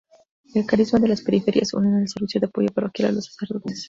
Al carisma de las periferias, unen el servicio de apoyo parroquial a los sacerdotes.